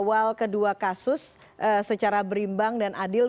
baik dari sisi apa namanya fpi maupun dari sisi